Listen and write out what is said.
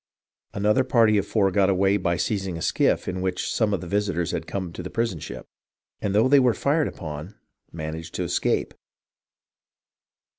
Another party of four got away by seizing a skiff in which some visitors had come to the prison ship, and though they were fired upon, managed to escape.